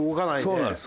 そうなんです。